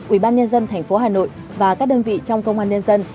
ubnd tp hà nội và các đơn vị trong công an nhân dân